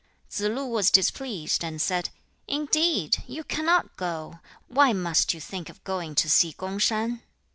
2. Tsze lu was displeased, and said, 'Indeed, you cannot go! Why must you think of going to see Kung shan?'